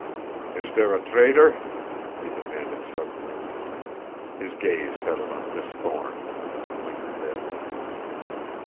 "Is there a traitor?" he demanded suddenly. His gaze settled on Miss Thorne and lingered there.